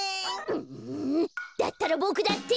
うだったらボクだって！